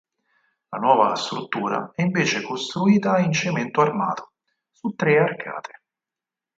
La nuova struttura è invece costruita in cemento armato, su tre arcate.